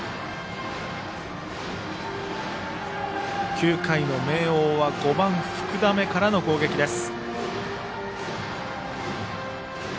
９回の明桜は５番、福溜からの攻撃です。